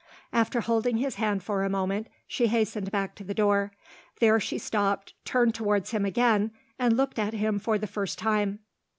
After holding his hand for a moment, she hastened back to the door. There she stopped, turned towards him again, and looked at him for the first time.